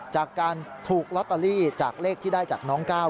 จากการถูกลอตเตอรี่จากเลขที่ได้จากน้องก้าว